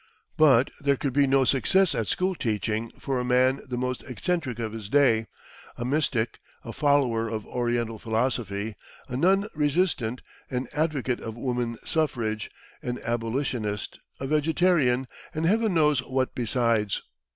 But there could be no success at school teaching for a man the most eccentric of his day a mystic, a follower of Oriental philosophy, a non resistant, an advocate of woman suffrage, an abolitionist, a vegetarian, and heaven knows what besides.